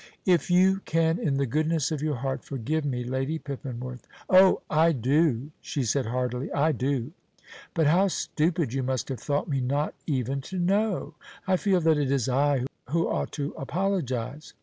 "If you can in the goodness of your heart forgive me, Lady Pippinworth " "Oh, I do," she said heartily, "I do. But how stupid you must have thought me not even to know! I feel that it is I who ought to apologize.